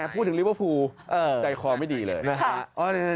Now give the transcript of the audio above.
พูดถึงลิเวอร์ฟูใจความไม่ดีเลยนะฮะ